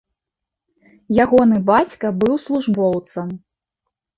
Ягоны бацька быў службоўцам.